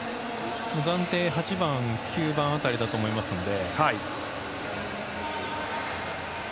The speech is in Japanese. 暫定８番、９番辺りだと思いますので。